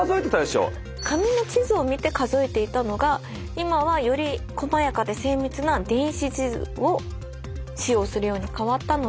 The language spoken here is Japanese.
紙の地図を見て数えていたのが今はより細やかで精密な電子地図を使用するように変わったので。